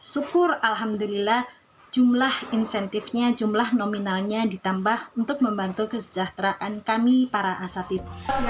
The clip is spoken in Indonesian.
syukur alhamdulillah jumlah insentifnya jumlah nominalnya ditambah untuk membantu kesejahteraan kami para asatid